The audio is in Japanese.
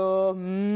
うん。